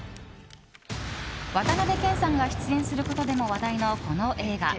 渡辺謙さんが出演することでも話題の、この映画。